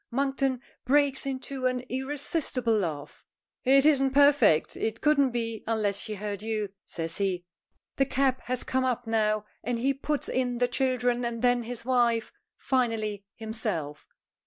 Monkton breaks into an irresistible laugh. "It isn't perfect; it couldn't be unless she heard you," says he. The cab has come up now, and he puts in the children and then his wife, finally himself.